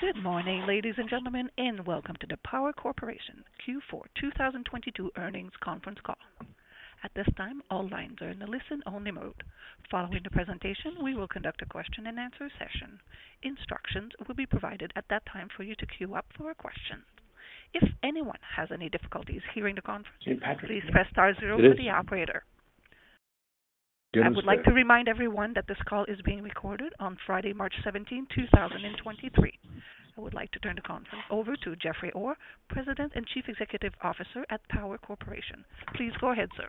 Good morning, ladies and gentlemen. Welcome to the Power Corporation Q4 2022 Earnings Conference Call. At this time, all lines are in a listen-only mode. Following the presentation, we will conduct a question-and-answer session. Instructions will be provided at that time for you to queue up for a question. If anyone has any difficulties hearing the conference, please press star zero for the operator. I would like to remind everyone that this call is being recorded on Friday, March 17, 2023. I would like to turn the conference over to Jeffrey Orr, President and Chief Executive Officer at Power Corporation. Please go ahead, sir.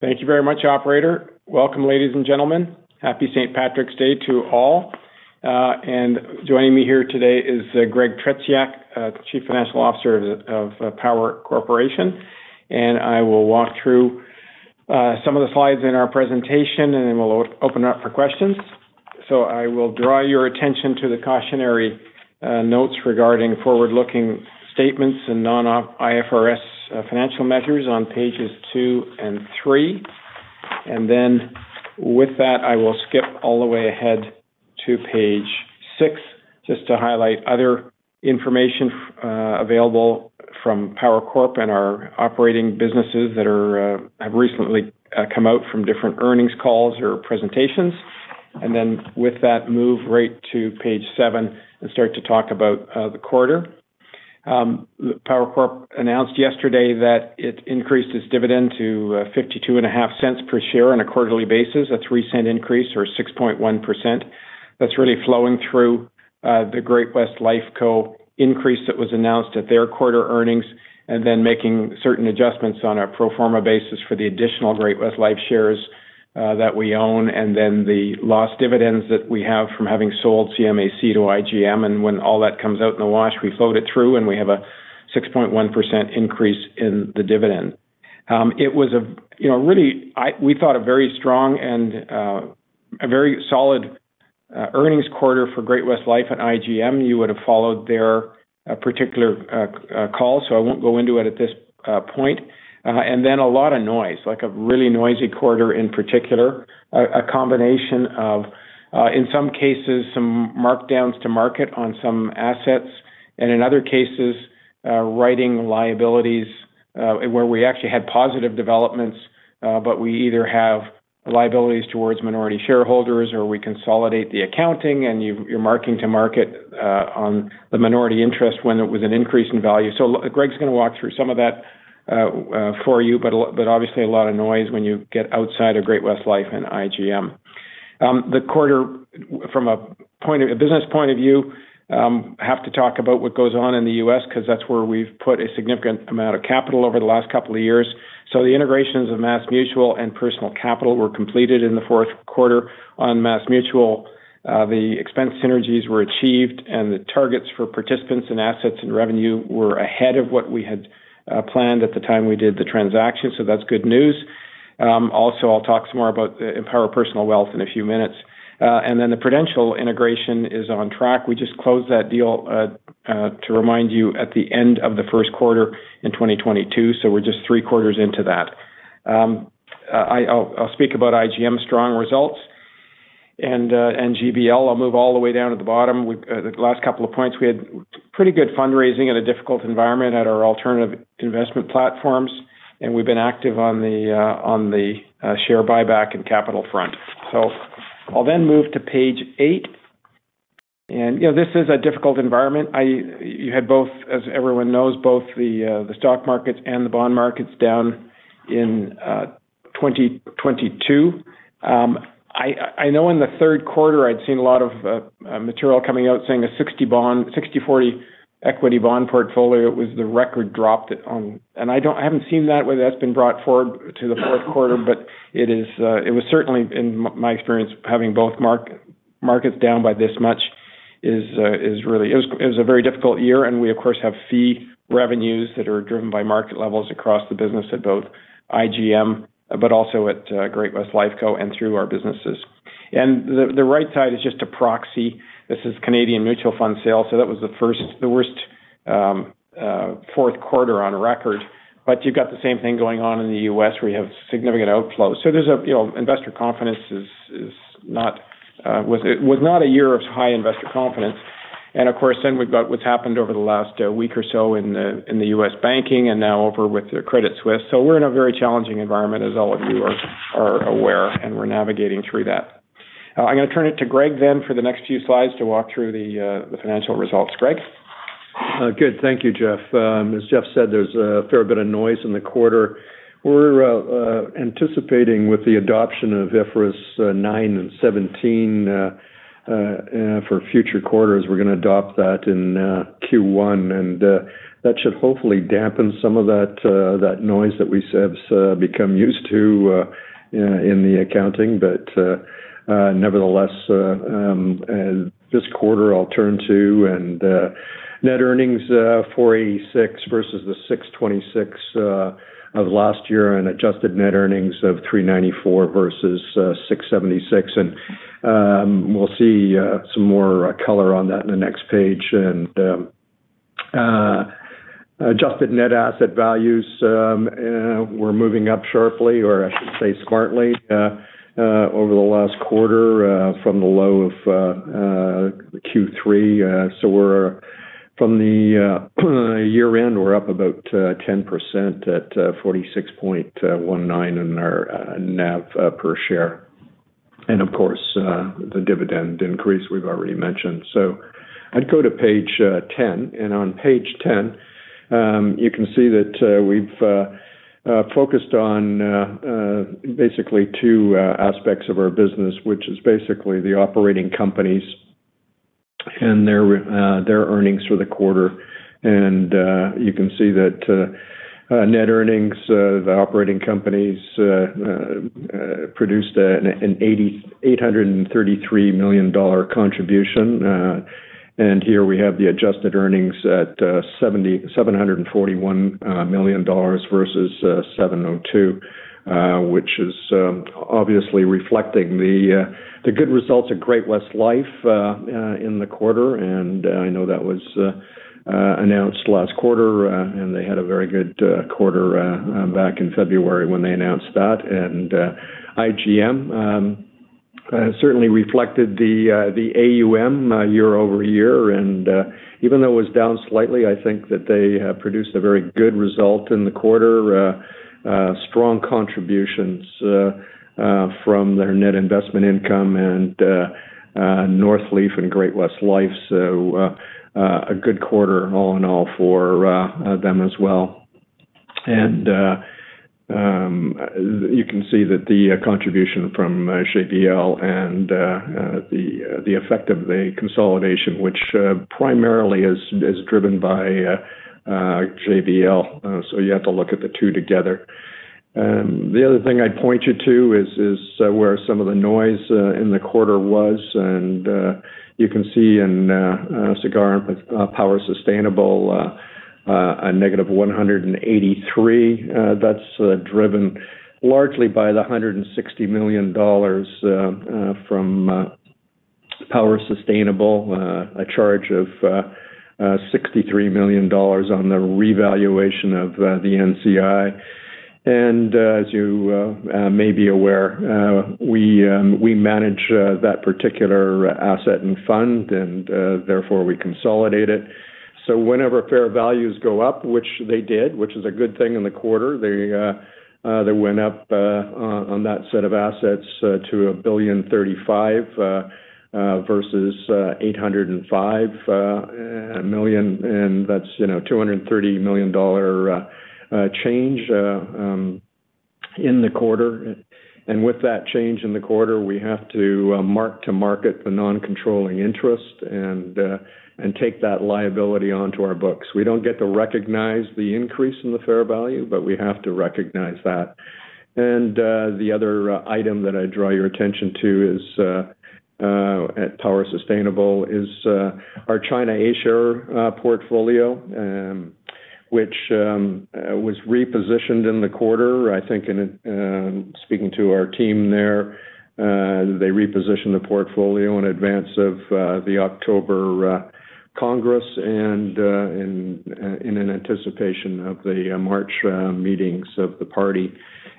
Thank you very much, operator. Welcome, ladies and gentlemen. Happy St. Patrick's Day to all. Joining me here today is Greg Tretiak, Chief Financial Officer of Power Corporation. I will walk through some of the slides in our presentation, and then we will open up for questions. I will draw your attention to the cautionary notes regarding forward-looking statements and non-IFRS financial measures on pages two and three. With that, I will skip all the way ahead to page six just to highlight other information available from Power Corp and our operating businesses that have recently come out from different earnings calls or presentations. With that, move right to page 7 and start to talk about the quarter. Power Corp announced yesterday that it increased its dividend to 0.525 per share on a quarterly basis, a 0.03 increase or 6.1%. That's really flowing through the Great-West Lifeco increase that was announced at their quarter earnings, and then making certain adjustments on a pro forma basis for the additional Great-West Lifeco shares that we own, and then the lost dividends that we have from having sold ChinaAMC to IGM. When all that comes out in the wash, we float it through, and we have a 6.1% increase in the dividend. It was, you know, really we thought, a very strong and a very solid earnings quarter for Great-West Lifeco and IGM. You would have followed their particular call, so I won't go into it at this point. A lot of noise, like a really noisy quarter in particular. A combination of, in some cases, some markdowns to market on some assets, and in other cases, writing liabilities, where we actually had positive developments, but we either have liabilities towards minority shareholders or we consolidate the accounting and you're marking to market on the minority interest when it was an increase in value. Greg's going to walk through some of that for you, obviously a lot of noise when you get outside of Great-West Life and IGM. The quarter from a business point of view, have to talk about what goes on in the U.S., because that's where we've put a significant amount of capital over the last couple of years. The integrations of MassMutual and Personal Capital were completed in the fourth quarter. On MassMutual, the expense synergies were achieved, and the targets for participants and assets and revenue were ahead of what we had planned at the time we did the transaction. That's good news. Also, I'll talk some more about Empower Personal Wealth in a few minutes. The Prudential integration is on track. We just closed that deal, to remind you, at the end of the first quarter in 2022. We're just three quarters into that. I'll speak about IGM strong results and GBL. I'll move all the way down to the bottom. The last couple of points, we had pretty good fundraising in a difficult environment at our alternative investment platforms, and we've been active on the share buyback and capital front. I'll then move to page eight. This is a difficult environment. You had both, as everyone knows, both the stock markets and the bond markets down in 2022. I know in the third quarter I'd seen a lot of material coming out saying a 60/40 equity/bond portfolio. I haven't seen that, whether that's been brought forward to the fourth quarter, but it is, it was certainly in my experience, having both markets down by this much is really. It was a very difficult year. We of course have fee revenues that are driven by market levels across the business at both IGM but also at Great-West Lifeco and through our businesses. The right side is just a proxy. This is Canadian mutual fund sales. That was the worst fourth quarter on record. You've got the same thing going on in the U.S., where you have significant outflows. There's a, you know, investor confidence is not was not a year of high investor confidence. Of course, then we've got what's happened over the last week or so in the, in the U.S. banking and now over with Credit Suisse. We're in a very challenging environment, as all of you are aware, and we're navigating through that. I'm going to turn it to Greg then for the next few slides to walk through the financial results. Greg? Good. Thank you, Jeff. As Jeff said, there's a fair bit of noise in the quarter. We're anticipating with the adoption of IFRS 9 and IFRS 17 for future quarters. We're going to adopt that in Q1, and that should hopefully dampen some of that noise that we have become used to in the accounting. Nevertheless, this quarter I'll turn to and net earnings, 486 versus the 626 of last year, and adjusted net earnings of 394 versus 676. We'll see some more color on that in the next page. Adjusted net asset values were moving up sharply, or I should say smartly, over the last quarter, from the low of Q3. We're from the year-end, we're up about 10% at 46.19 in our NAV per share. Of course, the dividend increase we've already mentioned. I'd go to page 10. On page 10, you can see that we've focused on basically two aspects of our business, which is basically the operating companies and their earnings for the quarter. You can see that net earnings of operating companies produced an 833 million dollar contribution. Here we have the adjusted earnings at 741 million dollars versus 702 million, which is obviously reflecting the good results at Great-West Lifeco in the quarter. I know that was announced last quarter, and they had a very good quarter back in February when they announced that. IGM certainly reflected the AUM year-over-year. Even though it was down slightly, I think that they produced a very good result in the quarter. Strong contributions from their net investment income and Northleaf and Great-West Lifeco. A good quarter all in all for them as well. You can see that the contribution from GBL and the effect of the consolidation, which primarily is driven by GBL. You have to look at the two together. The other thing I'd point you to is where some of the noise in the quarter was. You can see in Sagard and Power Sustainable a 183 million. That's driven largely by the 160 million dollars from Power Sustainable, a charge of 63 million dollars on the revaluation of the NCI. As you may be aware, we manage that particular asset and fund and therefore we consolidate it. Whenever fair values go up, which they did, which is a good thing in the quarter, they went up on that set of assets to 1.035 billion versus 805 million. That's, you know, a 230 million dollar change in the quarter. With that change in the quarter, we have to mark to market the non-controlling interest and take that liability onto our books. We don't get to recognize the increase in the fair value, but we have to recognize that. The other item that I draw your attention to is at Power Sustainable is our China A-share portfolio, which was repositioned in the quarter. I think in speaking to our team there, they repositioned the portfolio in advance of the October Congress and in an anticipation of the March meetings of the party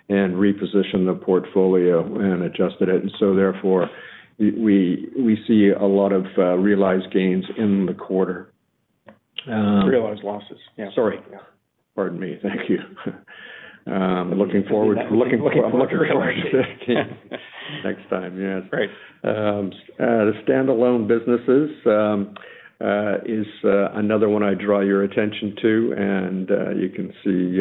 and repositioned the portfolio and adjusted it. Therefore, we see a lot of realized gains in the quarter. Realized losses. Sorry. Yeah. Pardon me. Thank you. Looking forward. Looking forward to realizing. Yeah. Next time. Yes. Great. The standalone businesses is another one I draw your attention to. You can see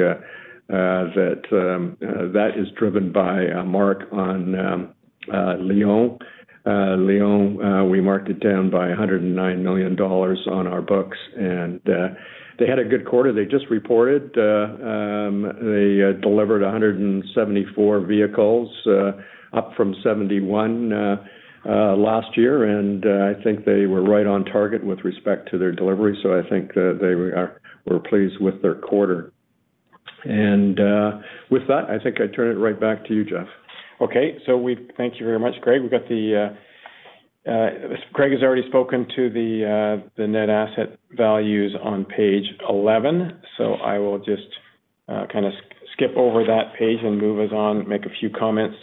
that is driven by a mark on Lion. Lion, we marked it down by 109 million dollars on our books. They had a good quarter. They just reported, they delivered 174 vehicles, up from 71 last year. I think they were right on target with respect to their delivery. I think they were pleased with their quarter. With that, I think I turn it right back to you, Jeff. Okay. We thank you very much, Greg. We've got the Greg has already spoken to the net asset values on page 11. I will just kind of skip over that page and move us on, make a few comments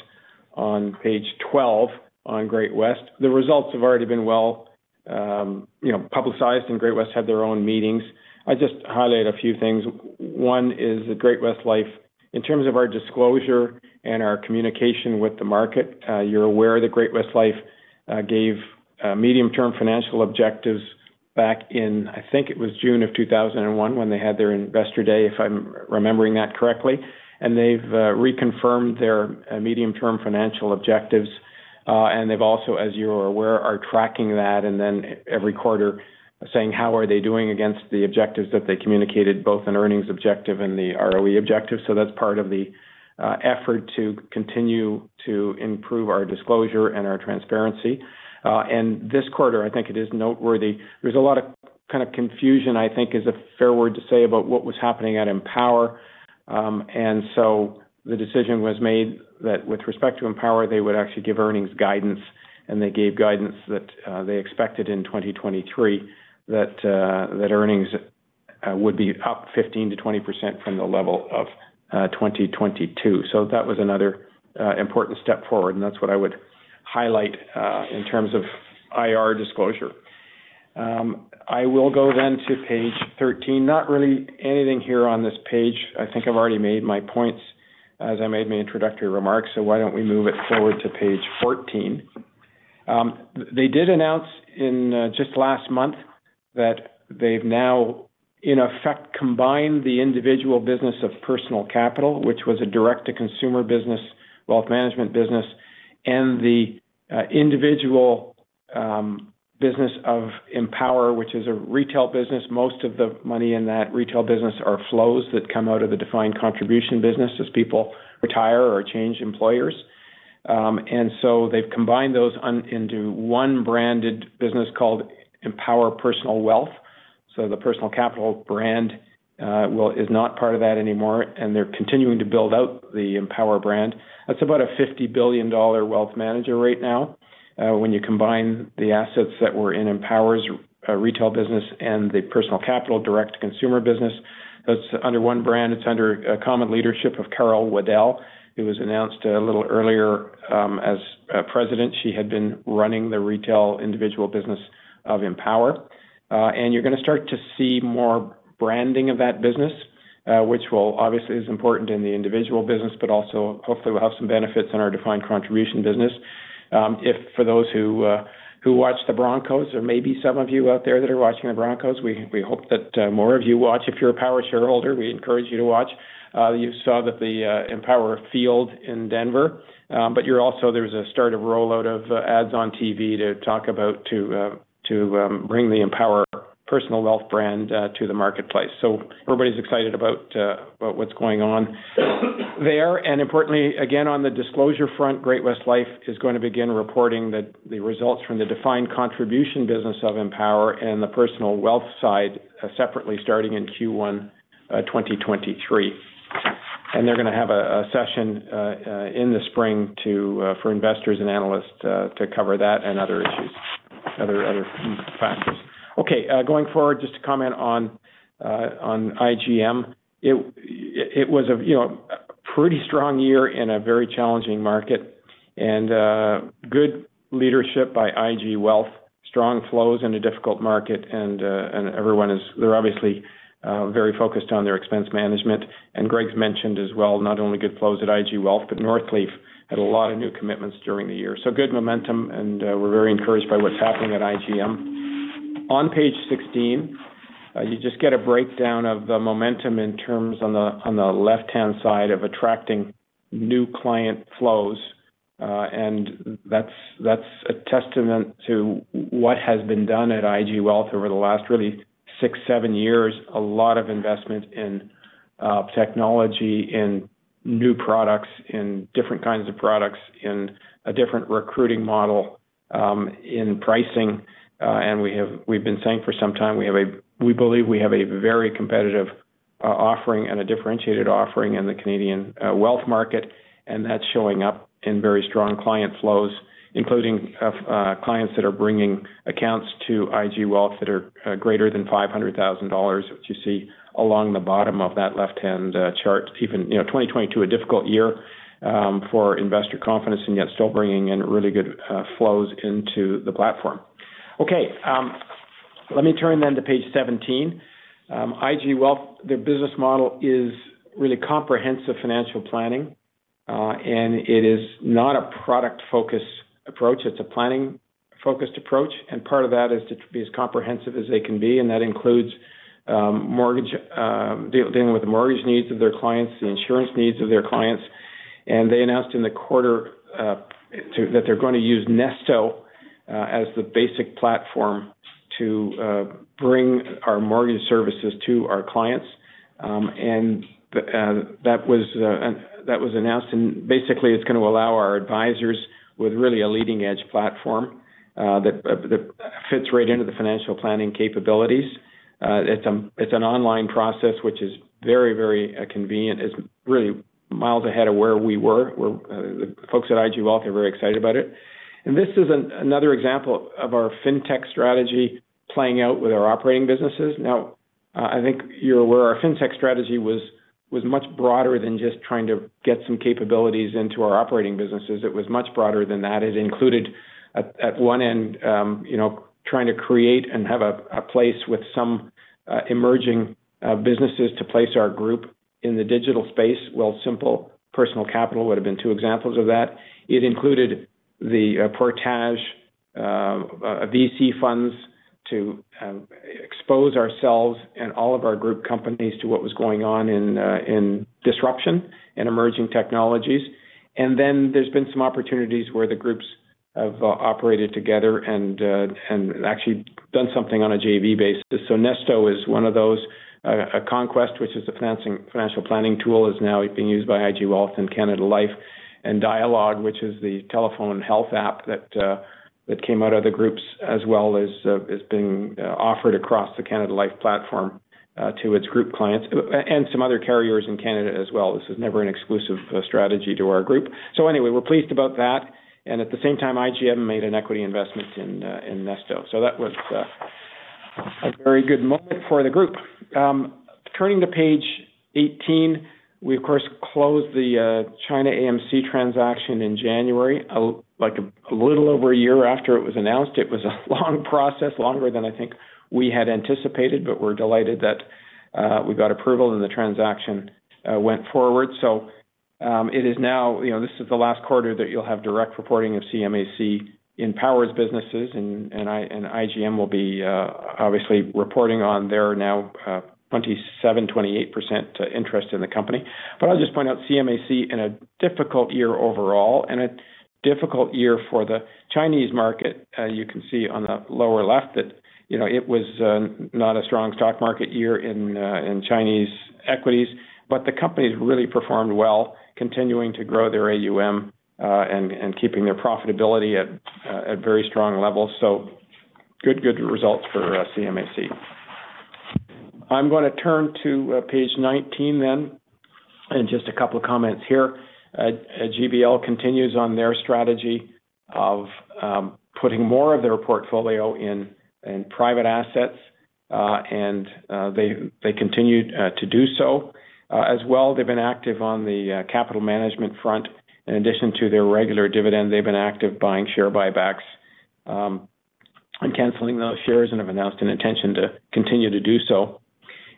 on page 12 on Great-West. The results have already been well, you know, publicized, and Great-West had their own meetings. I just highlight a few things. One is that Great-West Life, in terms of our disclosure and our communication with the market, you're aware that Great-West Life gave medium-term financial objectives back in, I think it was June of 2001 when they had their investor day, if I'm remembering that correctly. They've reconfirmed their medium-term financial objectives. They've also, as you are aware, are tracking that and then every quarter saying, how are they doing against the objectives that they communicated, both in earnings objective and the ROE objective. That's part of the effort to continue to improve our disclosure and our transparency. This quarter, I think it is noteworthy. There's a lot of kind of confusion, I think is a fair word to say, about what was happening at Empower. The decision was made that with respect to Empower, they would actually give earnings guidance. They gave guidance that they expected in 2023 that earnings would be up 15%-20% from the level of 2022. That was another important step forward, and that's what I would highlight in terms of IR disclosure. I will go then to page 13. Not really anything here on this page. I think I've already made my points as I made my introductory remarks. Why don't we move it forward to page 14. They did announce in just last month that they've now, in effect, combined the individual business of Personal Capital, which was a direct-to-consumer business, wealth management business, and the individual business of Empower, which is a retail business. Most of the money in that retail business are flows that come out of the defined contribution business as people retire or change employers. They've combined those into one branded business called Empower Personal Wealth. The Personal Capital brand, well, is not part of that anymore, and they're continuing to build out the Empower brand. That's about a 50 billion dollar wealth manager right now, when you combine the assets that were in Empower's retail business and the Personal Capital direct-to-consumer business, that's under one brand. It's under a common leadership of Carol Waddell, who was announced a little earlier, as president. She had been running the retail individual business of Empower. You're gonna start to see more branding of that business, which will obviously is important in the individual business, but also hopefully will have some benefits in our defined contribution business. If for those who watch the Broncos, there may be some of you out there that are watching the Broncos. We hope that more of you watch. If you're a Power shareholder, we encourage you to watch. You saw that the Empower Field in Denver, but you're also, there's a start of rollout of ads on TV to talk about to bring the Empower Personal Wealth brand to the marketplace. Everybody's excited about what's going on there. Importantly, again, on the disclosure front, Great-West Life is gonna begin reporting the results from the defined contribution business of Empower and the personal wealth side separately starting in Q1 2023. They're gonna have a session in the spring to for investors and analysts to cover that and other issues, other factors. Okay, going forward, just to comment on IGM. It was a, you know, a pretty strong year in a very challenging market and good leadership by IG Wealth, strong flows in a difficult market, and everyone is. They're obviously very focused on their expense management. Greg's mentioned as well not only good flows at IG Wealth, but Northleaf had a lot of new commitments during the year. Good momentum, and we're very encouraged by what's happening at IGM. On page 16, you just get a breakdown of the momentum in terms on the left-hand side of attracting new client flows, and that's a testament to what has been done at IG Wealth over the last really six, seven years. A lot of investment in technology and new products and different kinds of products and a different recruiting model in pricing. We've been saying for some time we believe we have a very competitive offering and a differentiated offering in the Canadian wealth market. That's showing up in very strong client flows, including clients that are bringing accounts to IG Wealth that are greater than 500,000 dollars, which you see along the bottom of that left-hand chart. Even, you know, 2022, a difficult year, for investor confidence and yet still bringing in really good flows into the platform. Okay, let me turn then to page 17. IG Wealth, their business model is really comprehensive financial planning. It is not a product-focused approach. It's a planning-focused approach. Part of that is to be as comprehensive as they can be, and that includes mortgage, dealing with the mortgage needs of their clients, the insurance needs of their clients. They announced in the quarter that they're gonna use Nesto as the basic platform to bring our mortgage services to our clients. That was announced, and basically, it's gonna allow our advisors with really a leading edge platform that fits right into the financial planning capabilities. It's an online process which is very, very convenient. It's really miles ahead of where we were. The folks at IG Wealth are very excited about it. This is another example of our fintech strategy playing out with our operating businesses. I think you're aware our fintech strategy was much broader than just trying to get some capabilities into our operating businesses. It was much broader than that. It included at one end, you know, trying to create and have a place with some emerging businesses to place our group in the digital space. Wealthsimple, Personal Capital would have been two examples of that. It included the Portage VC funds to expose ourselves and all of our group companies to what was going on in disruption and emerging technologies. Then there's been some opportunities where the groups have operated together and actually done something on a JV basis. Nesto is one of those. Conquest, which is a financial planning tool, is now being used by IG Wealth and Canada Life. Dialogue, which is the telephone health app that came out of the groups as well, is being offered across the Canada Life platform. To its group clients, and some other carriers in Canada as well. This is never an exclusive strategy to our group. Anyway, we're pleased about that, and at the same time, IGM made an equity investment in Nesto. That was a very good moment for the group. Turning to page 18, we, of course, closed the ChinaAMC transaction in January, like a little over a year after it was announced. It was a long process, longer than I think we had anticipated, but we're delighted that we got approval and the transaction went forward. It is now, you know, this is the last quarter that you'll have direct reporting of ChinaAMC in Power's businesses, and IGM will be obviously reporting on their now, 27%, 28% interest in the company. I'll just point out ChinaAMC in a difficult year overall and a difficult year for the Chinese market. You can see on the lower left that, you know, it was not a strong stock market year in Chinese equities. The company's really performed well, continuing to grow their AUM, and keeping their profitability at very strong levels. Good, good results for ChinaAMC. I'm gonna turn to page 19 then. Just a couple of comments here. GBL continues on their strategy of putting more of their portfolio in private assets, and they continue to do so. As well, they've been active on the capital management front. In addition to their regular dividend, they've been active buying share buybacks and canceling those shares and have announced an intention to continue to do so.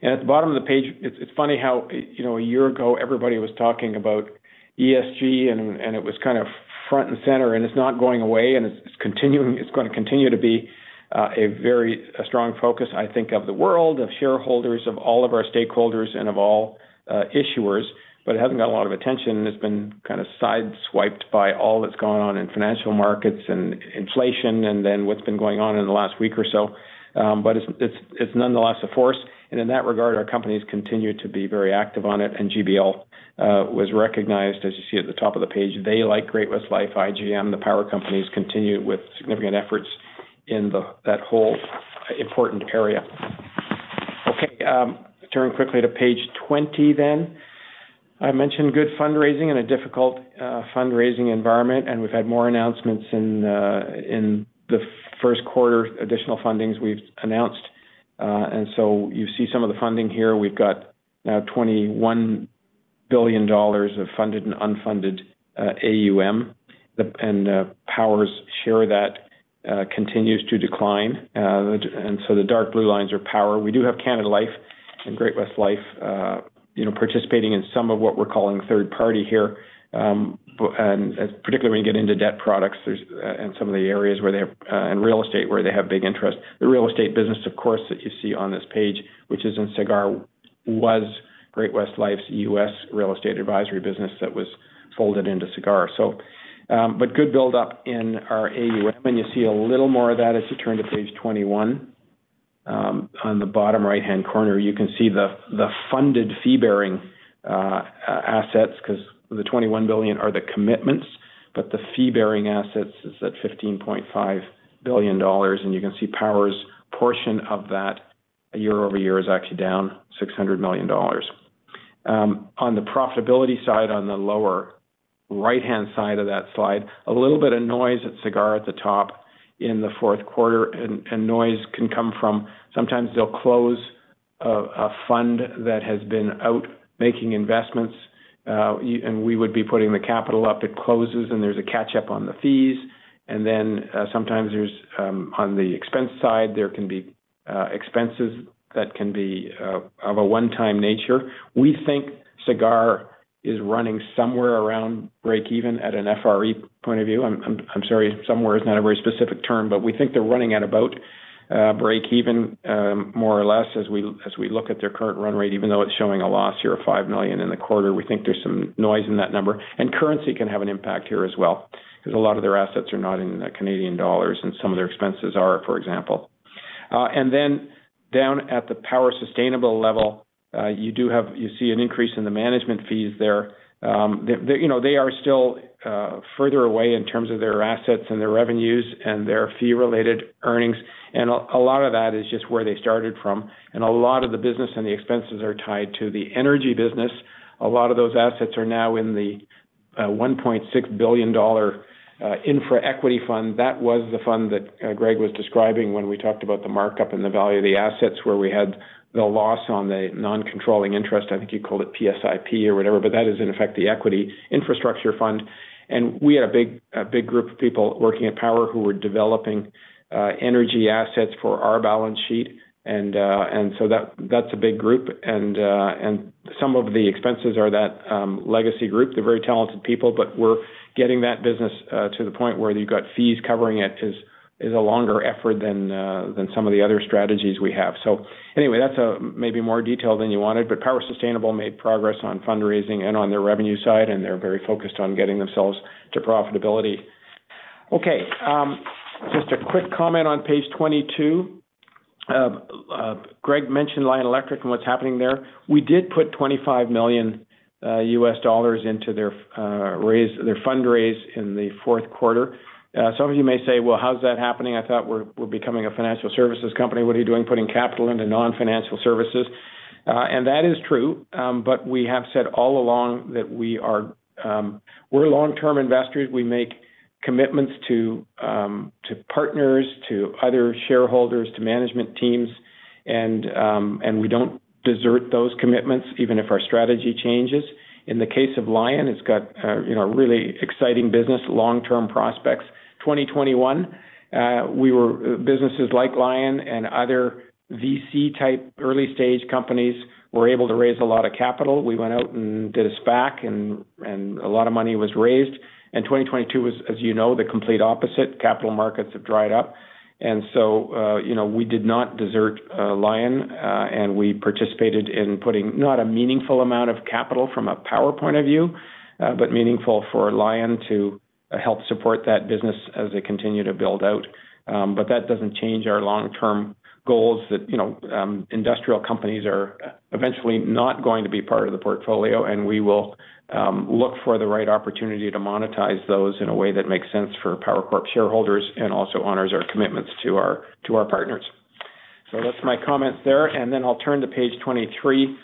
At the bottom of the page, it's funny how, you know, a year ago, everybody was talking about ESG, and it was kind of front and center, and it's not going away, and it's gonna continue to be a very strong focus, I think, of the world, of shareholders, of all of our stakeholders, and of all issuers. It hasn't got a lot of attention, and it's been kind of sideswiped by all that's gone on in financial markets and inflation and then what's been going on in the last week or so. It's nonetheless a force. In that regard, our companies continue to be very active on it. GBL was recognized, as you see at the top of the page. They, like Great-West Life, IGM, the Power companies, continue with significant efforts in that whole important area. Turn quickly to page 20 then. I mentioned good fundraising in a difficult fundraising environment, and we've had more announcements in the first quarter, additional fundings we've announced. You see some of the funding here. We've got now 21 billion dollars of funded and unfunded AUM. Power's share of that continues to decline. The dark blue lines are Power. We do have Canada Life and Great-West Life, you know, participating in some of what we're calling third party here. Particularly when you get into debt products, there's and some of the areas where they have and real estate, where they have big interest. The real estate business, of course, that you see on this page, which is in Sagard, was Great-West Life's U.S. real estate advisory business that was folded into Sagard. Good buildup in our AUM, and you see a little more of that as you turn to page 21. On the bottom right-hand corner, you can see the funded fee-bearing assets 'cause the 21 billion are the commitments, but the fee-bearing assets is at 15.5 billion dollars, and you can see Power's portion of that year-over-year is actually down 600 million dollars. On the profitability side, on the lower right-hand side of that slide, a little bit of noise at Sagard at the top in the fourth quarter. Noise can come from sometimes they'll close a fund that has been out making investments, and we would be putting the capital up. It closes, and there's a catch up on the fees. Sometimes there's on the expense side, there can be expenses that can be of a one-time nature. We think Sagard is running somewhere around breakeven at an FRE point of view. I'm sorry, somewhere is not a very specific term. We think they're running at about breakeven, more or less, as we look at their current run rate, even though it's showing a loss here of 5 million in the quarter. We think there's some noise in that number. Currency can have an impact here as well, 'cause a lot of their assets are not in Canadian dollars and some of their expenses are, for example. Down at the Power Sustainable level, you see an increase in the management fees there. They, you know, they are still further away in terms of their assets and their revenues and their fee-related earnings. A lot of that is just where they started from. A lot of the business and the expenses are tied to the energy business. A lot of those assets are now in the 1.6 billion dollar infra equity fund. That was the fund that Greg was describing when we talked about the markup and the value of the assets, where we had the loss on the non-controlling interest. I think he called it PSIP or whatever. That is, in effect, the equity infrastructure fund. We had a big group of people working at Power who were developing energy assets for our balance sheet. That's a big group. Some of the expenses are that legacy group. They're very talented people, but we're getting that business to the point where you've got fees covering it is a longer effort than some of the other strategies we have. Anyway, that's maybe more detail than you wanted, but Power Sustainable made progress on fundraising and on their revenue side, and they're very focused on getting themselves to profitability. Okay, just a quick comment on page 22. Greg mentioned Lion Electric and what's happening there. We did put $25 million into their fundraise in the fourth quarter. Some of you may say, "Well, how is that happening? I thought we're becoming a financial services company. What are you doing putting capital into non-financial services?" That is true, but we have said all along that we are long-term investors. We make commitments to partners, to other shareholders, to management teams, and we don't desert those commitments even if our strategy changes. In the case of Lion, it's got, you know, a really exciting business long-term prospects. 2021, we were, businesses like Lion and other VC-type early stage companies were able to raise a lot of capital. We went out and did a SPAC, and a lot of money was raised. 2022 was, as you know, the complete opposite. Capital markets have dried up. So, you know, we did not desert Lion, and we participated in putting not a meaningful amount of capital from a Power point of view, but meaningful for Lion to help support that business as they continue to build out. That doesn't change our long-term goals that, you know, industrial companies are eventually not going to be part of the portfolio, and we will look for the right opportunity to monetize those in a way that makes sense for Power Corp shareholders and also honors our commitments to our, to our partners. That's my comments there, and then I'll turn to page 23.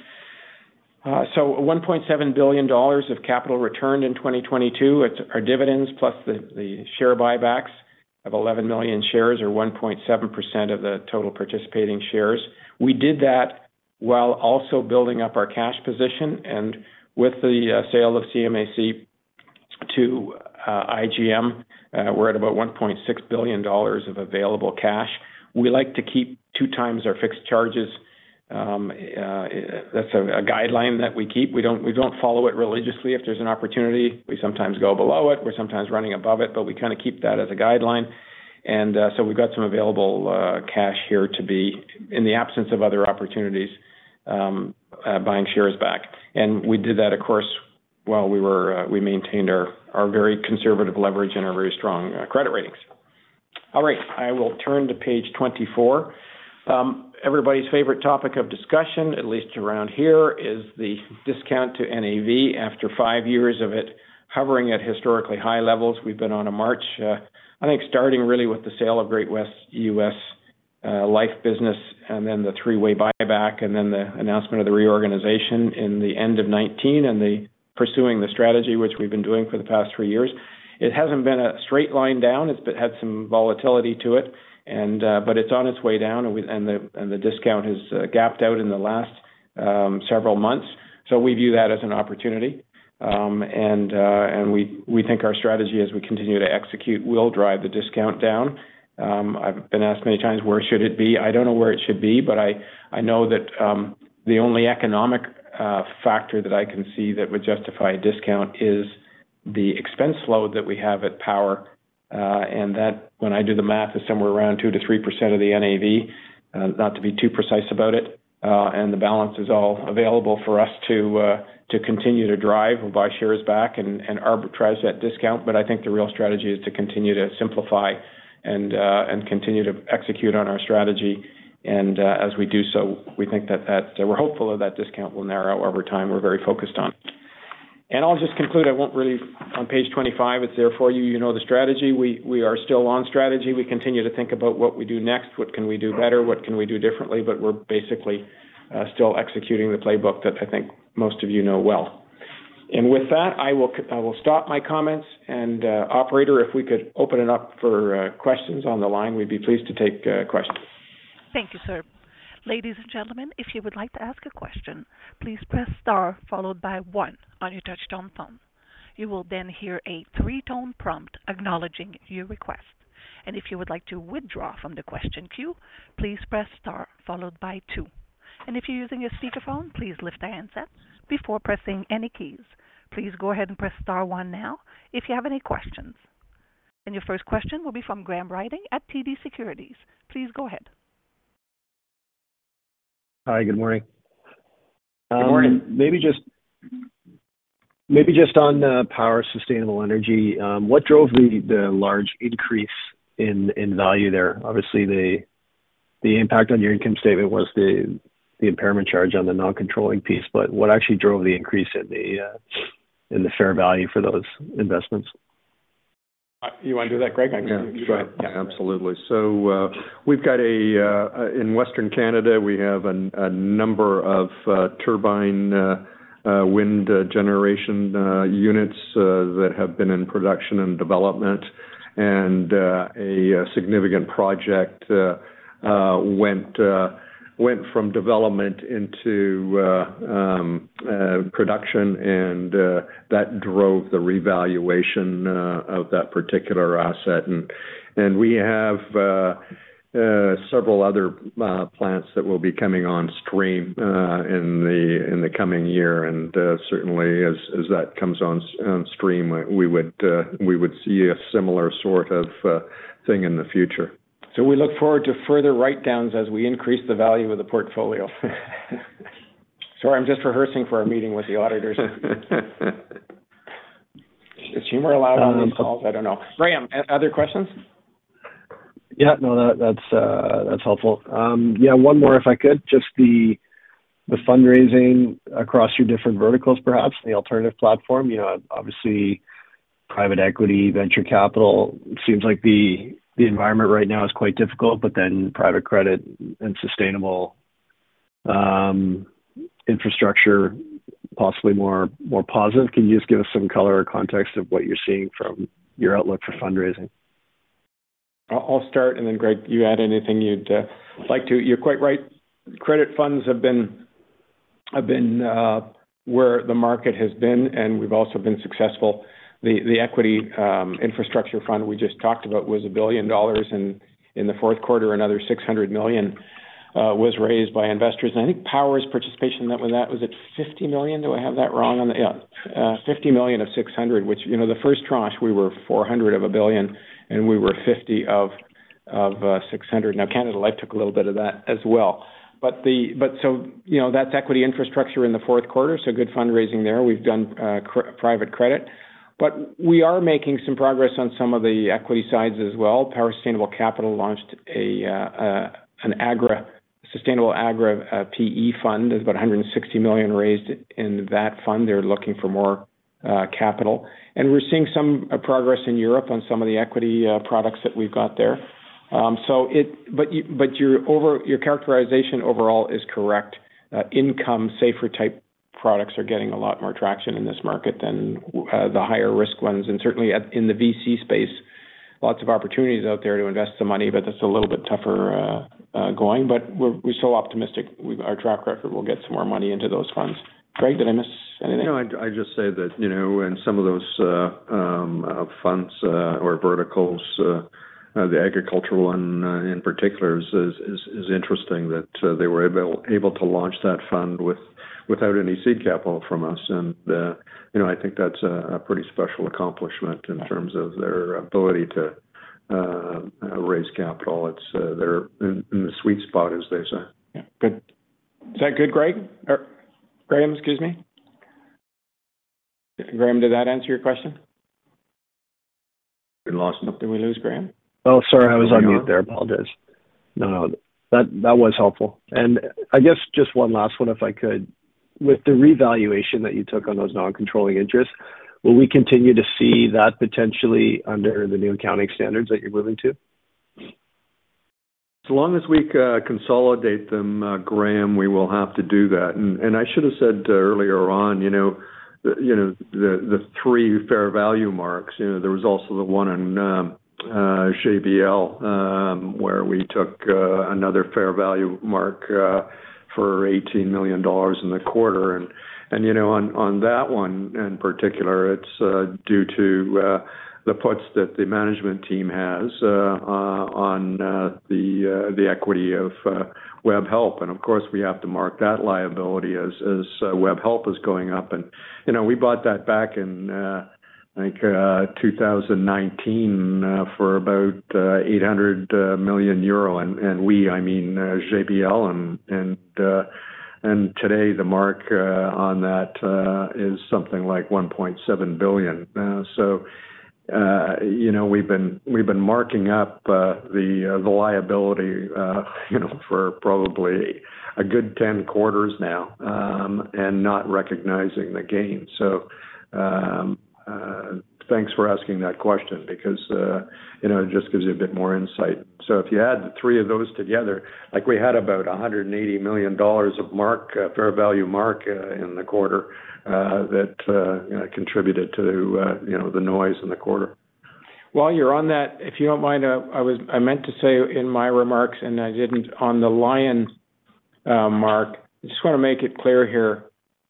1.7 billion dollars of capital returned in 2022. It's our dividends plus the share buybacks of 11 million shares or 1.7% of the total participating shares. We did that while also building up our cash position. With the sale of ChinaAMC to IGM, we're at about 1.6 billion dollars of available cash. We like to keep two times our fixed charges. That's a guideline that we keep. We don't follow it religiously. If there's an opportunity, we sometimes go below it, we're sometimes running above it, but we kind of keep that as a guideline. We've got some available cash here to be in the absence of other opportunities, buying shares back. We did that, of course, while we maintained our very conservative leverage and our very strong credit ratings. All right, I will turn to page 24. Everybody's favorite topic of discussion, at least around here, is the discount to NAV after five years of it hovering at historically high levels. We've been on a march, I think starting really with the sale of Great-West U.S., life business and then the three-way buyback and then the announcement of the reorganization in the end of 2019 and the pursuing the strategy, which we've been doing for the past three years. It hasn't been a straight line down. It's had some volatility to it and but it's on its way down, and we, and the, and the discount has, gapped out in the last, several months. We view that as an opportunity. We, we think our strategy as we continue to execute will drive the discount down. I've been asked many times where should it be. I don't know where it should be, but I know that the only economic factor that I can see that would justify a discount is the expense load that we have at Power, and that, when I do the math, is somewhere around 2%-3% of the NAV, not to be too precise about it, and the balance is all available for us to continue to drive or buy shares back and arbitrize that discount. I think the real strategy is to continue to simplify and continue to execute on our strategy. As we do so, we think that we're hopeful that discount will narrow over time. We're very focused on it. I'll just conclude, I won't really... On page 25, it's there for you. You know the strategy. We are still on strategy. We continue to think about what we do next, what can we do better, what can we do differently, but we're basically still executing the playbook that I think most of you know well. With that, I will stop my comments. Operator, if we could open it up for questions on the line, we'd be pleased to take questions. Thank you, sir. Ladies and gentlemen, if you would like to ask a question, please press star followed by one on your touch-tone phone. You will then hear a three-tone prompt acknowledging your request. If you would like to withdraw from the question queue, please press star followed by two. If you're using a speakerphone, please lift the handsets before pressing any keys. Please go ahead and press star one now if you have any questions. Your first question will be from Graham Ryding at TD Securities. Please go ahead. Hi, good morning. Good morning. Maybe just on the Power Sustainable Energy, what drove the large increase in value there? Obviously, the impact on your income statement was the impairment charge on the non-controlling piece, but what actually drove the increase in the fair value for those investments? You wanna do that, Greg? Yeah. Sure. Yeah. Absolutely. We've got a in Western Canada, we have a number of turbine wind generation units that have been in production and development. A significant project went from development into production, and that drove the revaluation of that particular asset. We have several other plants that will be coming on stream in the coming year. Certainly as that comes on stream, we would see a similar sort of thing in the future. We look forward to further write-downs as we increase the value of the portfolio. Sorry, I'm just rehearsing for a meeting with the auditors. Is humor allowed on these calls? I don't know. Graham, other questions? No, that's helpful. One more if I could. Just the fundraising across your different verticals, perhaps in the alternative platform. You know, obviously, private equity, venture capital, seems like the environment right now is quite difficult, private credit and sustainable infrastructure, possibly more, more positive. Can you just give us some color or context of what you're seeing from your outlook for fundraising? I'll start, then Greg, you add anything you'd like to. You're quite right. Credit funds have been where the market has been, we've also been successful. The equity infrastructure fund we just talked about was 1 billion dollars. In the fourth quarter, another 600 million was raised by investors. I think Power's participation in that was at 50 million. Do I have that wrong? 50 million of 600 million, which, you know, the first tranche, we were 400 million of 1 billion, we were 50 million of 600 million. Canada Life took a little bit of that as well. You know, that's equity infrastructure in the fourth quarter, good fundraising there. We've done private credit. We are making some progress on some of the equity sides as well. Power Sustainable launched an agri-sustainable PE fund. There's about 160 million raised in that fund. They're looking for more capital. We're seeing some progress in Europe on some of the equity products that we've got there. Your characterization overall is correct. Income, safer type products are getting a lot more traction in this market than the higher risk ones. Certainly in the VC space, lots of opportunities out there to invest some money, but that's a little bit tougher going. We're still optimistic. Our track record will get some more money into those funds. Greg, did I miss anything? No, I'd just say that, you know, in some of those funds or verticals, the agricultural one in particular is interesting that they were able to launch that fund with without any seed capital from us. You know, I think that's a pretty special accomplishment in terms of their ability to raise capital. It's they're in the sweet spot, as they say. Yeah. Good. Is that good, Greg? Graham, excuse me. Graham, did that answer your question? We lost him. Did we lose Graham? Oh, sorry. I was on mute there. Apologize. No, no, that was helpful. I guess just one last one, if I could. With the revaluation that you took on those non-controlling interests, will we continue to see that potentially under the new accounting standards that you're moving to? As long as we consolidate them, Graham, we will have to do that. I should have said earlier on, you know, the three fair value marks. There was also the one in GBL, where we took another fair value mark for 18 million dollars in the quarter. On that one in particular, it's due to the puts that the management team has on the equity of Webhelp. Of course, we have to mark that liability as Webhelp is going up. We bought that back in, I think, 2019 for about 800 million euro. We, I mean, GBL. Today, the mark on that is something like 1.7 billion. You know, we've been marking up the liability, you know, for probably a good 10 quarters now and not recognizing the gain. Thanks for asking that question because, you know, it just gives you a bit more insight. If you add the three of those together, like we had about 180 million dollars of mark, fair value mark, in the quarter, that, you know, contributed to, you know, the noise in the quarter. While you're on that, if you don't mind, I meant to say in my remarks, I didn't on the Lion mark, I just wanna make it clear here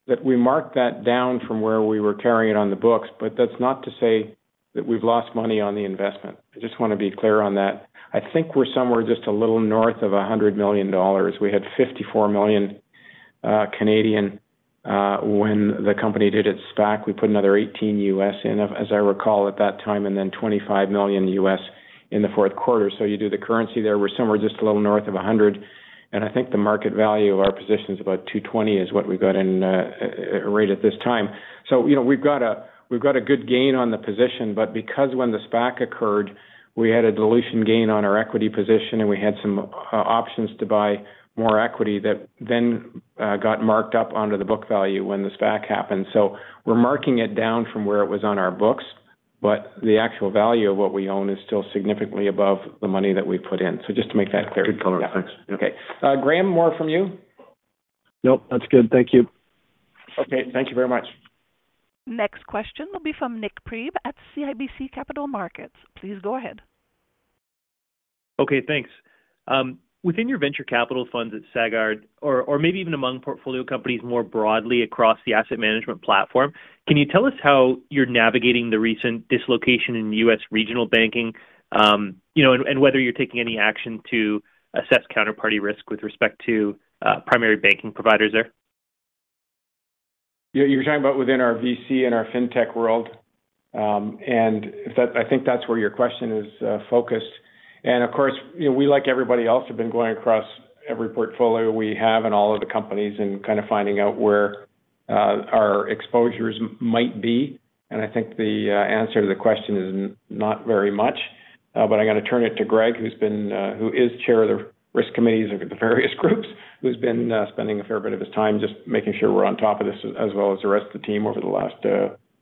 that we marked that down from where we were carrying it on the books, that's not to say that we've lost money on the investment. I just wanna be clear on that. I think we're somewhere just a little north of 100 million dollars. We had 54 million Canadian dollars when the company did its SPAC. We put another $18 million, as I recall at that time, $25 million in the fourth quarter. You do the currency there, we're somewhere just a little north of 100 million. I think the market value of our position is about 220 is what we've got in right at this time. You know, we've got a good gain on the position, but because when the SPAC occurred, we had a dilution gain on our equity position, and we had some options to buy more equity that then got marked up onto the book value when the SPAC happened. We're marking it down from where it was on our books, but the actual value of what we own is still significantly above the money that we put in. Just to make that clear. Good color. Thanks. Yeah. Okay. Graham, more from you? Nope. That's good. Thank you. Okay. Thank you very much. Next question will be from Nik Priebe at CIBC Capital Markets. Please go ahead. Okay, thanks. Within your venture capital funds at Sagard or maybe even among portfolio companies more broadly across the asset management platform, can you tell us how you're navigating the recent dislocation in U.S. regional banking? you know, and whether you're taking any action to assess counterparty risk with respect to primary banking providers there. You're talking about within our VC and our fintech world? If that, I think that's where your question is focused. Of course, you know, we, like everybody else, have been going across every portfolio we have in all of the companies and kind of finding out where our exposures might be. I think the answer to the question is not very much. I got to turn it to Greg, who's been who is chair of the risk committees of the various groups, who's been spending a fair bit of his time just making sure we're on top of this as well as the rest of the team over the last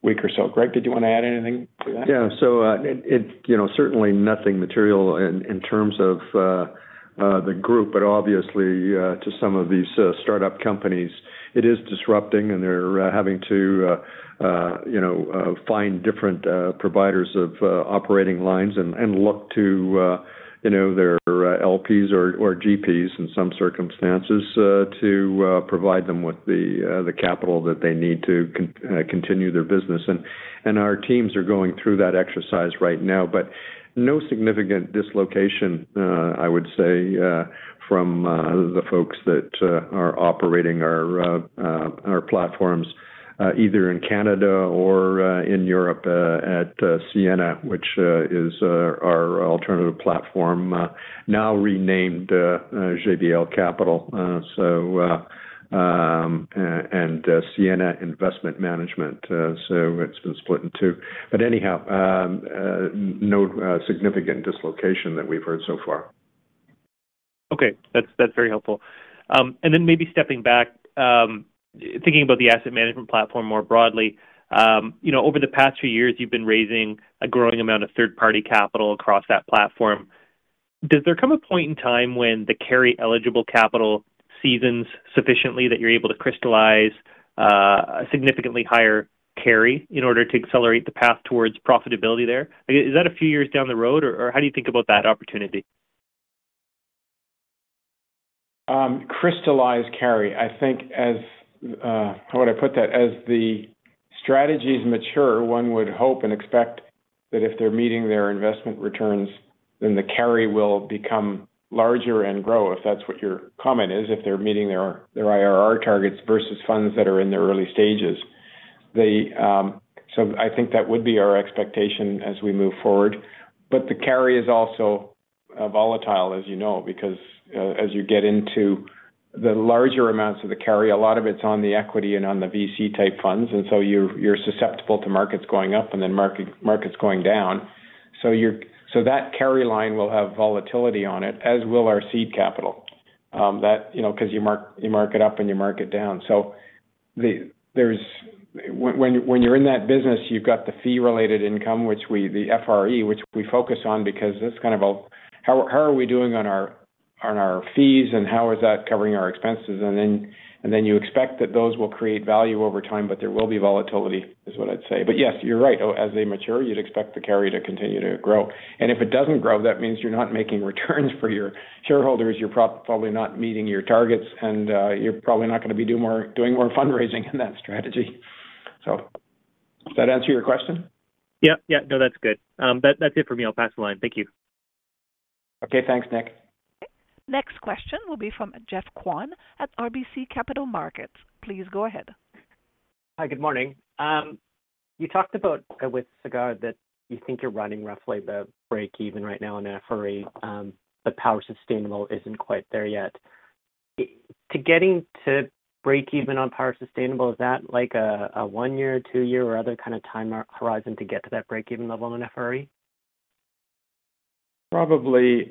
week or so. Greg, did you want to add anything to that? Yeah. It, you know, certainly nothing material in terms of the group. Obviously, to some of these startup companies, it is disrupting, and they're having to, you know, find different providers of operating lines and look to, you know, their LPs or GPs in some circumstances, to provide them with the capital that they need to continue their business. Our teams are going through that exercise right now. No significant dislocation, I would say, from the folks that are operating our platforms, either in Canada or in Europe, at Sienna, which is our alternative platform, now renamed GBL Capital and Sienna Investment Managers. It's been split in two. Anyhow, no significant dislocation that we've heard so far. Okay. That's very helpful. Maybe stepping back, thinking about the asset management platform more broadly, you know, over the past few years, you've been raising a growing amount of third-party capital across that platform. Does there come a point in time when the carry eligible capital seasons sufficiently that you're able to crystallize significantly higher carry in order to accelerate the path towards profitability there? Is that a few years down the road, or how do you think about that opportunity? Crystallize carry. I think as, how would I put that? As the strategies mature, one would hope and expect that if they're meeting their investment returns, then the carry will become larger and grow, if that's what your comment is, if they're meeting their IRR targets versus funds that are in their early stages. I think that would be our expectation as we move forward. The carry is also, volatile, as you know, because, as you get into the larger amounts of the carry, a lot of it's on the equity and on the VC type funds. You're, you're susceptible to markets going up and then markets going down. That carry line will have volatility on it, as will our seed capital, that, you know, 'cause you mark, you mark it up and you mark it down. When you're in that business, you've got the fee related income, which we, the FRE, which we focus on because that's kind of a how are we doing on our fees and how is that covering our expenses? You expect that those will create value over time, but there will be volatility is what I'd say. Yes, you're right. As they mature, you'd expect the carry to continue to grow. If it doesn't grow, that means you're not making returns for your shareholders. You're probably not meeting your targets, and you're probably not gonna be doing more fundraising in that strategy. Does that answer your question? Yeah. Yeah. No, that's good. That's it for me. I'll pass the line. Thank you. Okay, thanks, Nik. Next question will be from Geoff Kwan at RBC Capital Markets. Please go ahead. Hi, good morning. You talked about with Sagard that you think you're running roughly the break even right now on FRE. Power Sustainable isn't quite there yet. To getting to breakeven on Power Sustainable, is that like a one year, two-year or other kind of time horizon to get to that breakeven level in FRE? Probably,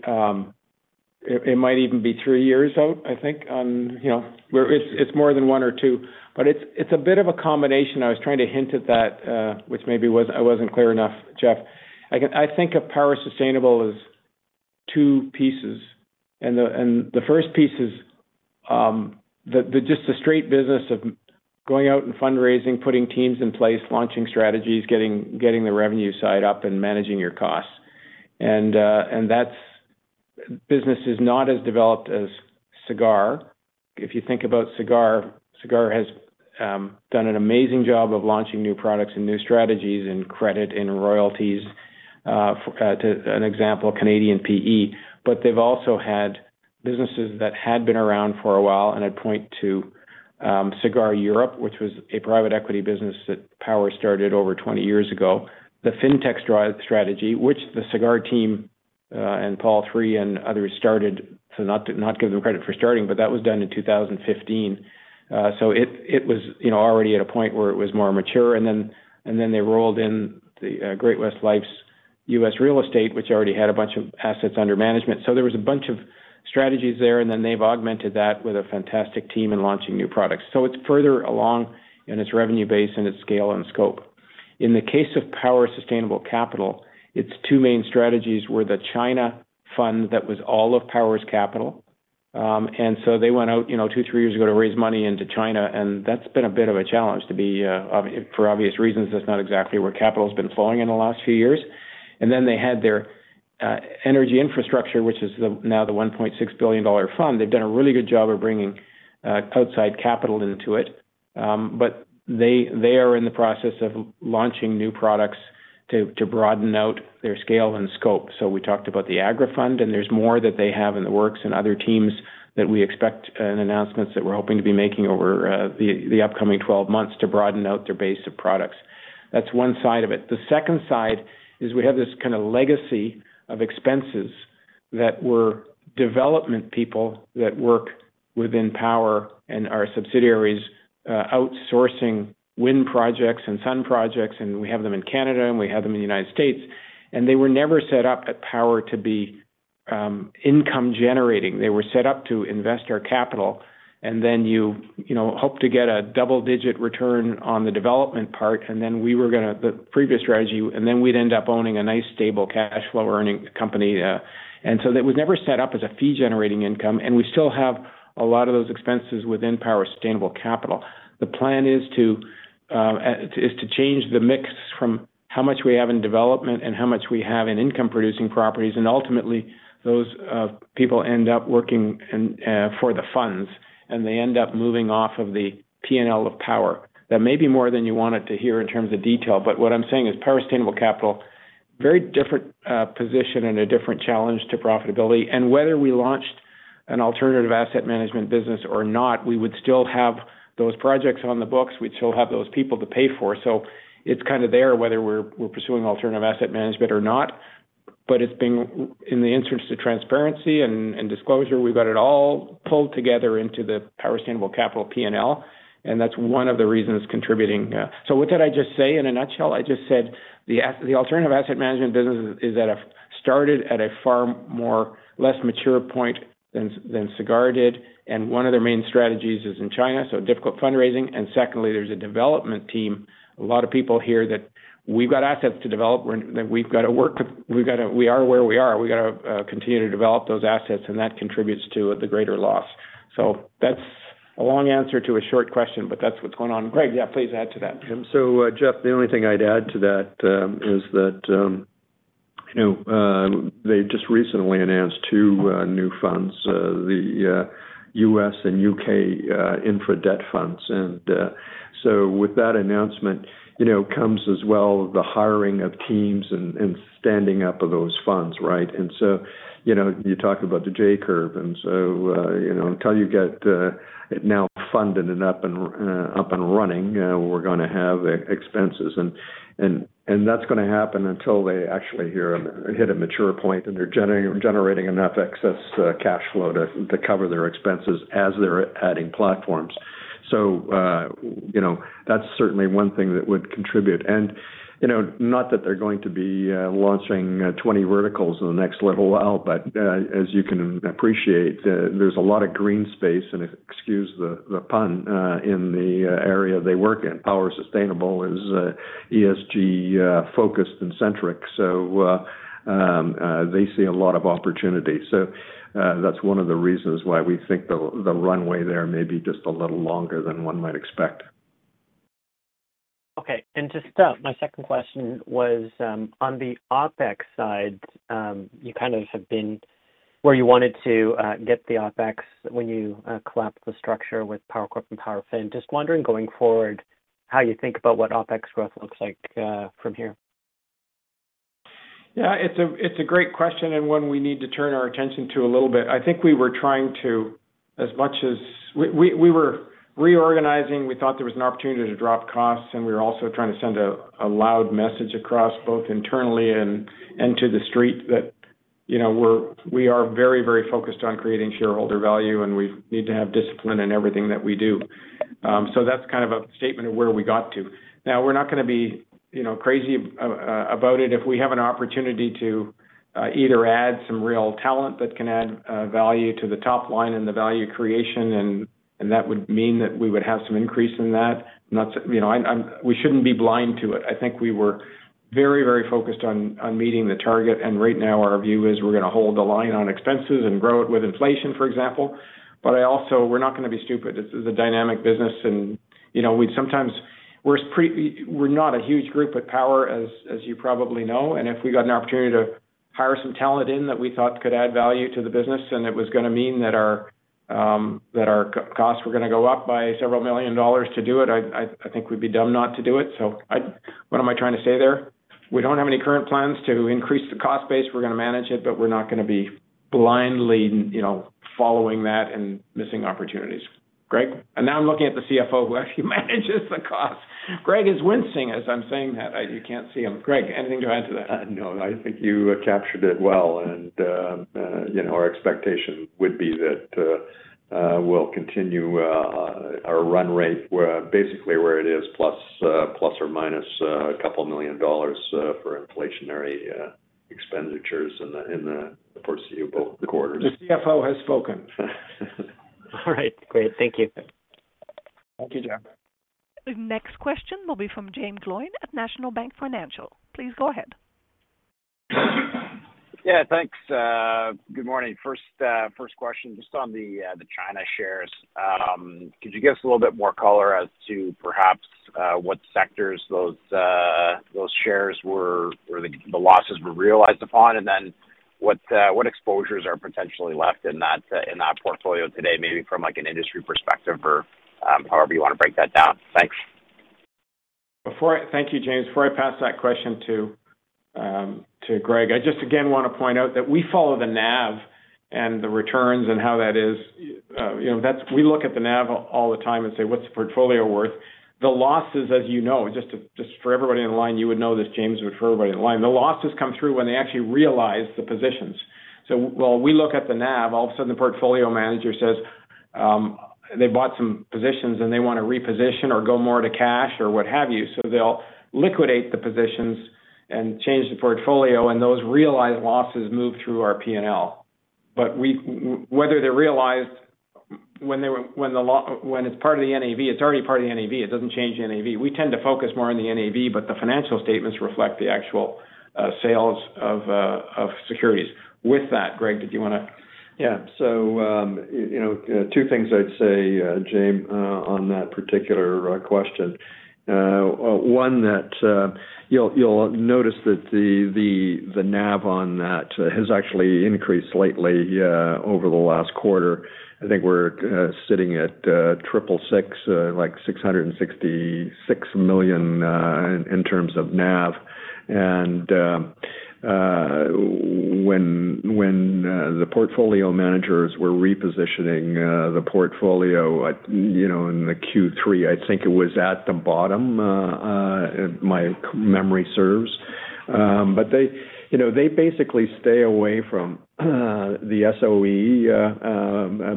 it might even be three years out, I think. You know, it's more than one or two. But it's a bit of a combination. I was trying to hint at that, which maybe wasn't, I wasn't clear enough, Geoff. I think of Power Sustainable as two pieces. The first piece is the just the straight business of going out and fundraising, putting teams in place, launching strategies, getting the revenue side up and managing your costs. That's business is not as developed as Sagard. If you think about Sagard has done an amazing job of launching new products and new strategies and credit and royalties to an example, Canadian PE. They've also had businesses that had been around for a while, and I'd point to Sagard Europe, which was a private equity business that Power started over 20 years ago. The Fintech strategy, which the Sagard team, and Paul III and others started. Not give them credit for starting, but that was done in 2015. It was, you know, already at a point where it was more mature. They rolled in the Great-West Lifeco U.S. real estate, which already had a bunch of assets under management. There was a bunch of strategies there, and then they've augmented that with a fantastic team in launching new products. It's further along in its revenue base and its scale and scope. In the case of Power Sustainable, its two main strategies were the China fund that was all of Power's capital. They went out, you know, two, three years ago to raise money into China, and that's been a bit of a challenge to be for obvious reasons, that's not exactly where capital's been flowing in the last few years. They had their energy infrastructure, which is now the 1.6 billion dollar fund. They've done a really good job of bringing outside capital into it. They, they are in the process of launching new products to broaden out their scale and scope. We talked about the Agri fund, and there's more that they have in the works and other teams that we expect, and announcements that we're hoping to be making over the upcoming 12 months to broaden out their base of products. That's one side of it. The second side is we have this kind of legacy of expenses that were development people that work within Power and our subsidiaries, outsourcing wind projects and sun projects, and we have them in Canada, and we have them in the United States. They were never set up at Power to be income generating. They were set up to invest our capital. You, you know, hope to get a double-digit return on the development part. The previous strategy, and then we'd end up owning a nice stable cash flow earning company. That was never set up as a fee-generating income, and we still have a lot of those expenses within Power Sustainable Capital. The plan is to change the mix from how much we have in development and how much we have in income producing properties. Ultimately those people end up working for the funds, and they end up moving off of the P&L of Power. That may be more than you wanted to hear in terms of detail, but what I'm saying is, Power Sustainable Capital, very different position and a different challenge to profitability. Whether we launched an alternative asset management business or not, we would still have those projects on the books. We'd still have those people to pay for. It's kind of there, whether we're pursuing alternative asset management or not. It's been in the interest of transparency and disclosure, we've got it all pulled together into the Power Sustainable Capital P&L, and that's one of the reasons contributing. What did I just say in a nutshell? I just said the alternative asset management business is started at a far more less mature point than Sagard did. One of their main strategies is in China, difficult fundraising. Secondly, there's a development team, a lot of people here that we've got assets to develop, we are where we are. We've got to continue to develop those assets, and that contributes to the greater loss. That's a long answer to a short question, that's what's going on. Greg, yeah, please add to that. Geoff, the only thing I'd add to that, is that, they just recently announced two new funds, the U.S. and U.K. infra debt funds. So with that announcement, comes as well the hiring of teams and standing up of those funds, right? You talk about the J-curve, and so, until you get it now funded and up and up and running, we're gonna have e-expenses. That's gonna happen until they actually hit a mature point, and they're generating enough excess cash flow to cover their expenses as they're adding platforms. That's certainly one thing that would contribute. You know, not that they're going to be launching 20 verticals in the next little while, but as you can appreciate, there's a lot of green space, and excuse the pun, in the area they work in. Power Sustainable is ESG focused and centric. They see a lot of opportunity. That's one of the reasons why we think the runway there may be just a little longer than one might expect. Okay. To start, my second question was on the OpEx side, you kind of have been where you wanted to get the OpEx when you collapsed the structure with Power Corp and Power Financial. Just wondering, going forward, how you think about what OpEx growth looks like from here. Yeah, it's a great question and one we need to turn our attention to a little bit. I think we were trying to, we were reorganizing. We thought there was an opportunity to drop costs, and we were also trying to send a loud message across, both internally and to TheStreet that, you know, we are very, very focused on creating shareholder value, and we need to have discipline in everything that we do. That's kind of a statement of where we got to. We're not gonna be, you know, crazy about it. If we have an opportunity to either add some real talent that can add value to the top line and the value creation, and that would mean that we would have some increase in that, not, you know, we shouldn't be blind to it. I think we were very focused on meeting the target. Right now our view is we're gonna hold the line on expenses and grow it with inflation, for example. We're not gonna be stupid. This is a dynamic business and, you know, we're not a huge group at Power, as you probably know. If we got an opportunity to hire some talent in that we thought could add value to the business, and it was gonna mean that our costs were gonna go up by several million dollars to do it, I think we'd be dumb not to do it. What am I trying to say there? We don't have any current plans to increase the cost base. We're gonna manage it, but we're not gonna be blindly, you know, following that and missing opportunities. Greg? Now I'm looking at the CFO who actually manages the cost. Greg is wincing as I'm saying that. You can't see him. Greg, anything to add to that? No, I think you captured it well. You know, our expectation would be that we'll continue our run rate basically where it is, plus, ± a couple million CAD for inflationary expenditures in the foreseeable quarters. The CFO has spoken. All right. Great. Thank you. Thank you, Geoff. The next question will be from Jaeme Gloyn at National Bank Financial. Please go ahead. Yeah, thanks. Good morning. First, first question, just on the China shares. Could you give us a little bit more color as to perhaps, what sectors those shares were, or the losses were realized upon? What, what exposures are potentially left in that, in that portfolio today, maybe from, like, an industry perspective or, however you wanna break that down? Thanks. Thank you, Jaeme. Before I pass that question to Greg, I just again want to point out that we follow the NAV and the returns and how that is. You know, we look at the NAV all the time and say, "What's the portfolio worth?" The losses, as you know, just for everybody on the line, you would know this, James, or for everybody on the line. The losses come through when they actually realize the positions. While we look at the NAV, all of a sudden the portfolio manager says, they bought some positions and they want to reposition or go more to cash or what have you. They'll liquidate the positions and change the portfolio, and those realized losses move through our P&L. Whether they're realized when it's part of the NAV, it's already part of the NAV. It doesn't change the NAV. We tend to focus more on the NAV, but the financial statements reflect the actual sales of securities. With that, Greg, did you wanna? Yeah. You know, two things I'd say, Jaeme, on that particular question. One that you'll notice that the NAV on that has actually increased lately over the last quarter. I think we're sitting at 666 million in terms of NAV. When the portfolio managers were repositioning the portfolio, you know, in the Q3, I think it was at the bottom, if my memory serves. They, you know, they basically stay away from the SOE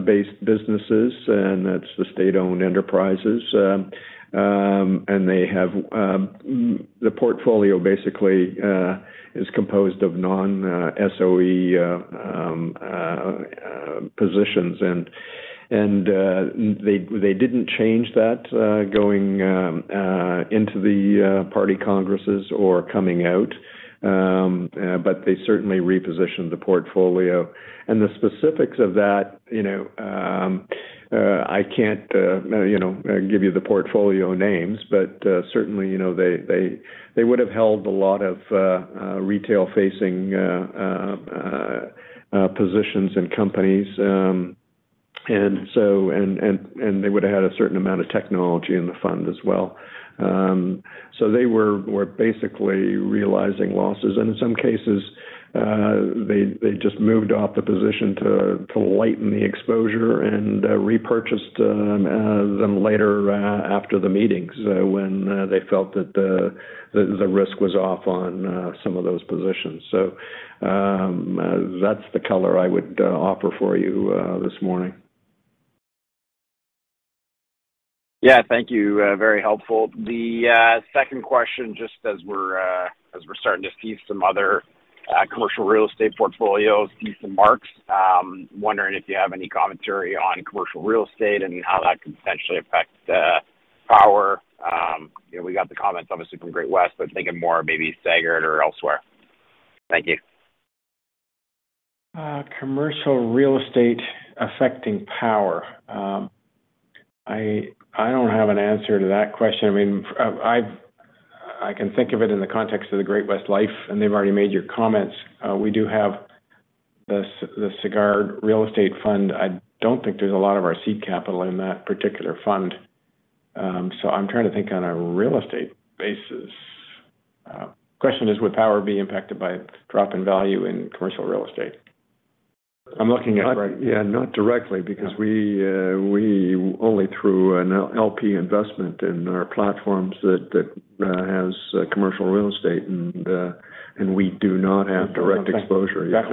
based businesses, and that's the state-owned enterprises. They have the portfolio basically is composed of non-SOE positions. They didn't change that going into the party congresses or coming out, but they certainly repositioned the portfolio. The specifics of that, you know, I can't, you know, give you the portfolio names, but certainly, you know, they would have held a lot of retail-facing positions and companies. They would have had a certain amount of technology in the fund as well. They were basically realizing losses. In some cases, they just moved off the position to lighten the exposure and repurchased them later after the meetings when they felt that the risk was off on some of those positions. That's the color I would offer for you this morning. Yeah. Thank you. very helpful. The second question, just as we're as we're starting to see some other commercial real estate portfolios see some marks, wondering if you have any commentary on commercial real estate and how that could potentially affect Power Corp? you know, we got the comments obviously from Great-West, but thinking more maybe Sagard or elsewhere. Thank you. Commercial real estate affecting Power. I don't have an answer to that question. I mean, I can think of it in the context of the Great-West Life, and they've already made your comments. We do have the Sagard Real Estate Fund. I don't think there's a lot of our seed capital in that particular fund. I'm trying to think on a real estate basis. Question is, would Power be impacted by drop in value in commercial real estate? I'm looking at. Yeah, not directly because we only through an LP investment in our platforms that has commercial real estate, and we do not have direct exposure. Yeah,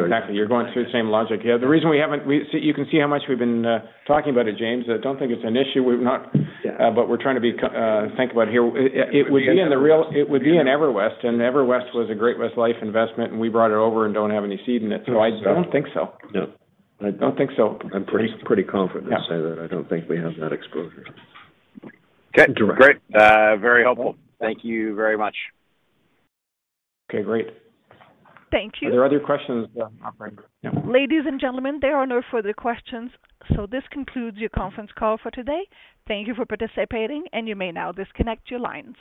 exactly. You're going through the same logic. Yeah, the reason you can see how much we've been talking about it, Jaeme. I don't think it's an issue. Yeah. We're trying to think about it here. It would be in EverWest, and EverWest was a Great-West Life investment, and we brought it over and don't have any seed in it. I don't think so. No. I don't think so. I'm pretty confident to say that I don't think we have that exposure. Okay, great. Very helpful. Thank you very much. Okay, great. Thank you. Are there other questions? Ladies and gentlemen, there are no further questions. This concludes your conference call for today. Thank you for participating, and you may now disconnect your lines.